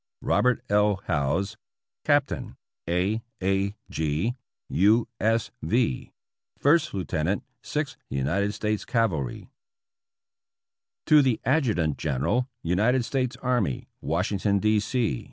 Robert L. Howze, Captain A. A. G., U. S. V. (First Lieutenant Sixth United States Cavalry) To THE Adjutant General United States Army, Washington, D, C.